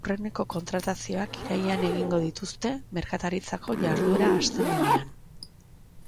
Aurreneko kontratazioak irailean egingo dituzte, merkataritzako jarduera hasten denean.